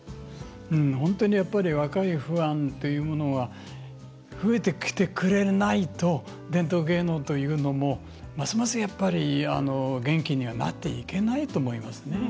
本当に若いファンというものが増えてきてくれないと伝統芸能というのもますます、やっぱり元気にはなっていけないと思いますね。